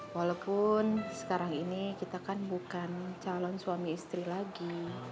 walaupun sekarang ini kita kan bukan calon suami istri lagi